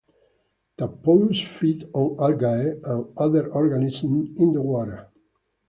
Tadpoles feed on algae and other organisms in the water.